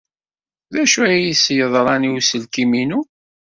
D acu ay as-yeḍran i uselkim-inu?